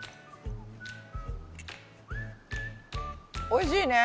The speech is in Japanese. おいしいね。